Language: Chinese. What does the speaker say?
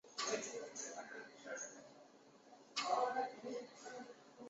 曾在法国名牌卡地亚任三年公关经理。